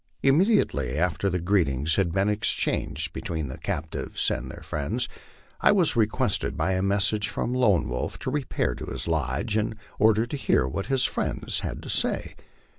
Immediately after greetings had been exchanged between the captives and their friends, I was requested, by a message from Lone Wolf, to repair to his lodge in order to hear what his friends had to say.